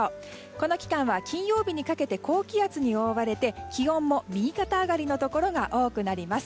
この期間は金曜日にかけて高気圧に覆われて気温も右肩上がりのところが多くなります。